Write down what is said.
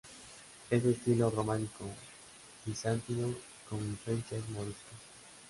Es de estilo románico-bizantino con influencias moriscas.